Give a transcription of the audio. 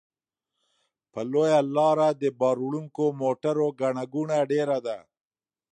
په لویه لاره د بار وړونکو موټرو ګڼه ګوڼه ډېره ده.